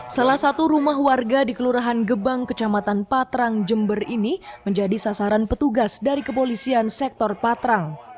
salah satu rumah warga di kelurahan gebang kecamatan patrang jember ini menjadi sasaran petugas dari kepolisian sektor patrang